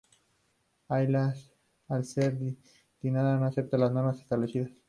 Ayla, al ser distinta, no acepta las normas establecidas.